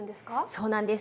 そうなんです。